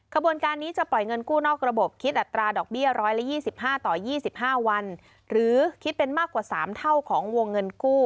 กระบวนการนี้จะปล่อยเงินกู้นอกระบบคิดอัตราดอกเบี้ยร้อยละยี่สิบห้าต่อยี่สิบห้าวันหรือคิดเป็นมากกว่าสามเท่าของวงเงินกู้